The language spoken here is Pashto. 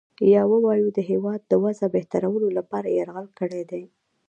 یا ووایو د هیواد د وضع بهترولو لپاره یرغل کړی دی.